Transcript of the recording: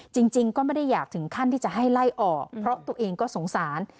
จริงก็ไม่ได้อยากถึงขั้นที่จะให้ไล่ออกเพราะตัวเองก็สงสาร